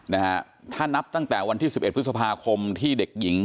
นะฮะถ้านับตั้งแต่วันที่สิบเอ็ดพฤษภาคมที่เด็กหญิง